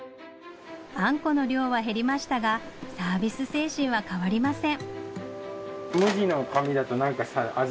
あんこの量は減りましたがサービス精神は変わりません